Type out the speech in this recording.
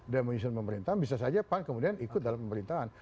menyusun pemerintahan bisa saja pan kemudian ikut dalam pemerintahan